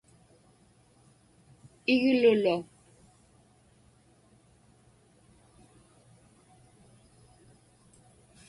iglulu